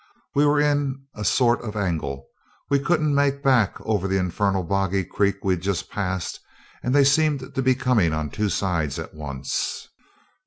We were in a sort of angle. We couldn't make back over the infernal boggy creek we'd just passed, and they seemed to be coming on two sides at once.